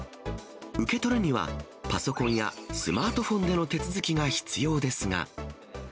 受け取るにはパソコンやスマートフォンでの手続きが必要ですが。